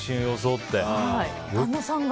旦那さんが。